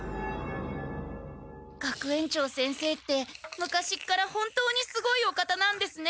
学園長先生って昔っから本当にすごいお方なんですね。